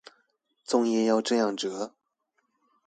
粽葉要這樣摺